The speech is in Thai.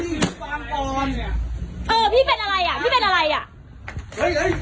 ไอ้มึงลูกฆ่ากูกูพังเอาเกี่ยวอะไรกับพวกผมอ่ะแล้ว